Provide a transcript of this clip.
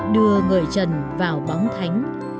đưa người trần vào bóng thánh